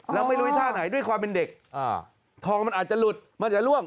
แล้วไม่รู้อีกท่าไหนด้วยความเป็นเด็กทองมันอาจจะหลุดมันจะล่วง